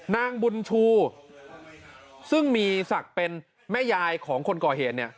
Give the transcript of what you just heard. นางบุญชูซึ่งมีศักดิ์เป็นแม่ยายของคนก่อเหตุเนี่ย